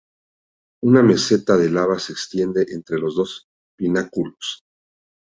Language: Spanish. Una meseta de lava se extiende entre los dos pináculos.